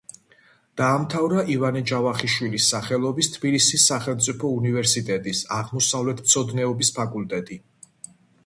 დაამთავრა ივანე ჯავახიშვილის სახელობის თბილისის სახელმწიფო უნივერსიტეტის აღმოსავლეთმცოდნეობის ფაკულტეტი.